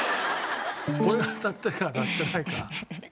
これが当たってるか当たってないか？